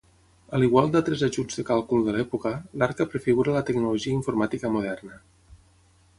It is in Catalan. A l'igual d'altres ajuts de càlcul de l'època, l'arca prefigura la tecnologia informàtica moderna.